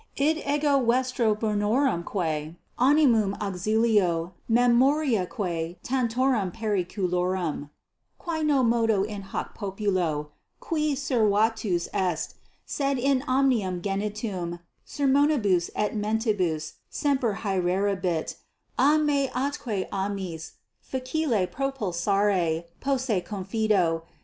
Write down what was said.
Id ego vestro bonorumque omnium auxilio memoriaque tantorum periculorum, quae non modo in hoc populo, qui servatus est, sed in omnium gentium sermonibus ac mentibus semper haerebit, a me atque a meis facile propulsari posse confido.